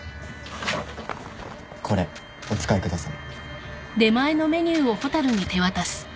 これお使いください。